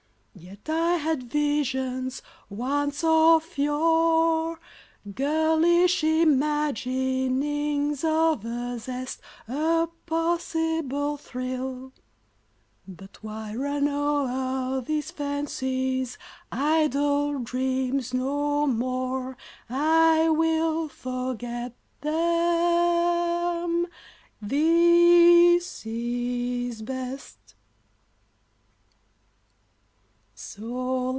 Yet I had visions once of yore, Girlish imaginings of a zest, A possible thrill, but why run o'er These fancies? idle dreams, no more; I will forget them, this is best.